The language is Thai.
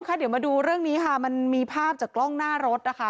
เดี๋ยวมาดูเรื่องนี้ค่ะมันมีภาพจากกล้องหน้ารถนะคะ